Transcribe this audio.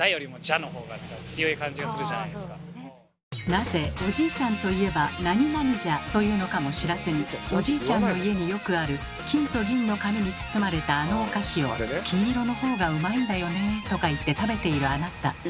なぜおじいちゃんといえば「じゃ」と言うのかも知らずにおじいちゃんの家によくある金と銀の紙に包まれたあのお菓子を「金色のほうがうまいんだよね」とか言って食べているあなた。